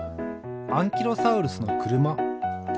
アンキロサウルスのくるま。